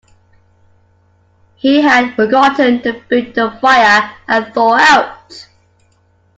He had forgotten to build a fire and thaw out.